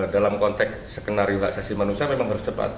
dalam konteks skenario reaksasi manusia memang harus cepat